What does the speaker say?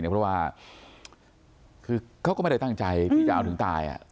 เพราะว่าคือเขาก็ไม่ได้ตั้งใจที่จะเอาถึงตาย